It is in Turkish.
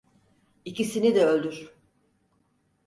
İkisini de öldür!